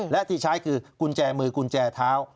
และที่ใช้คือกุญแจมือกุญแจเท้า